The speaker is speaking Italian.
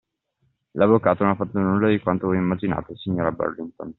L'avvocato non ha fatto nulla di quanto voi immaginate, signorina Burlington!